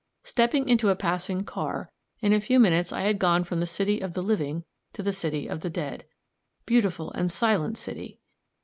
Stepping into a passing car, in a few minutes I had gone from the city of the living to the city of the dead. Beautiful and silent city!